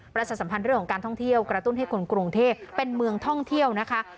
สัมพันธ์เรื่องของการท่องเที่ยวกระตุ้นให้คนกรุงเทพเป็นเมืองท่องเที่ยวนะคะ